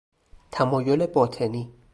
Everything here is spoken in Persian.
تمایل باطنی